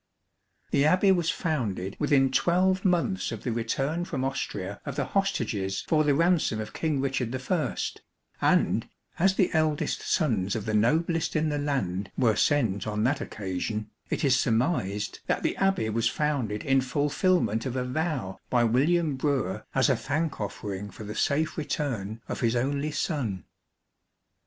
The Abbey was founded within twelve months of the return from Austria of the hostages for the ransom of King Richard I, and, as the eldest sons of the noblest in the land were sent on that occasion, it is surmised that the Abbey was founded in fulfilment of a vow by William Brewer as a thank offering for the safe return of his only son.